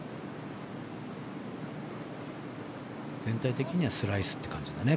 全体的にはスライスって感じだね。